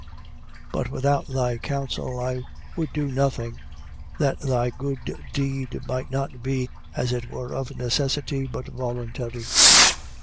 1:14. But without thy counsel I would do nothing: that thy good deed might not be as it were of necessity, but voluntary.